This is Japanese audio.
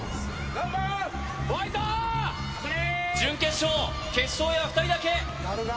・頑張れ準決勝決勝へは２人だけ誰だ